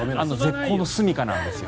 絶好のすみかなんですよ。